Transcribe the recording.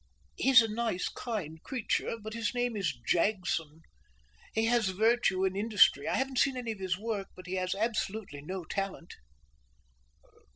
"He's a nice, kind creature, but his name is Jagson. He has virtue and industry. I haven't seen any of his work, but he has absolutely no talent."